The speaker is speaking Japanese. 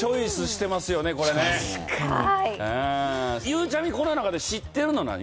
ゆうちゃみこの中で知ってるの何？